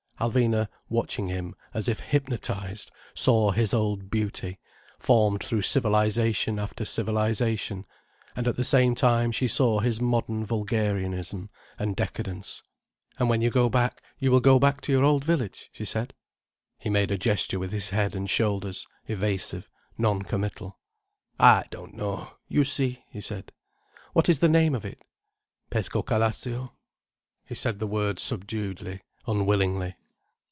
Alvina watching him, as if hypnotized, saw his old beauty, formed through civilization after civilization; and at the same time she saw his modern vulgarianism, and decadence. "And when you go back, you will go back to your old village?" she said. He made a gesture with his head and shoulders, evasive, non committal. "I don't know, you see," he said. "What is the name of it?" "Pescocalascio." He said the word subduedly, unwillingly.